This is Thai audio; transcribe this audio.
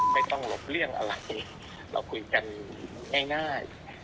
ต้องหลบเลี่ยงอะไรเราคุยกันง่าย